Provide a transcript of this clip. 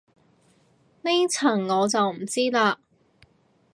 呢層我就唔知嘞